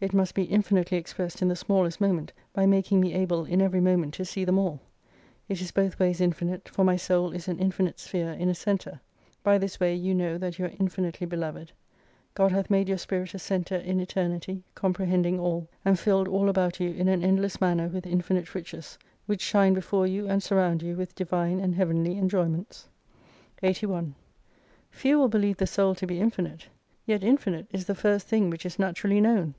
It must be infinitely exprest in the smallest moment by making me able in every moment to see them all. It is both ways infinite, for my Soul is an infinite sphere in a centre. By this way you know that you are infinitely beloved : God hath made your spirit a centre in eternity comprehending all, and filled all about you in an endless manner with infinite riches : which shine before you and surround you with Divine and Heavenly enjoyments. 81 Few will believe the soul to be infinite : yet Infinite* is the first thing which is naturally known.